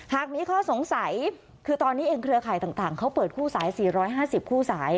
หากมีข้อสงสัยคือตอนนี้เองเครือข่ายต่างเขาเปิดคู่สาย๔๕๐คู่สาย